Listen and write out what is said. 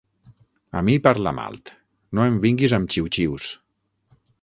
A mi, parla'm alt: no em vinguis amb xiu-xius.